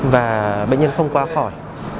và bệnh nhân không qua khỏi